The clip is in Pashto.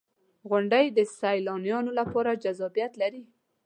• غونډۍ د سیلانیانو لپاره جذابیت لري.